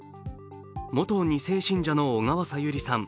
元２世信者の小川さゆりさん。